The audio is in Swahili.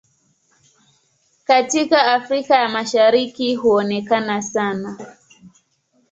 Katika Afrika ya Mashariki huonekana sana.